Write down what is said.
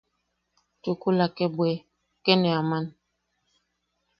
Chukula kee bwe... kee ne aman...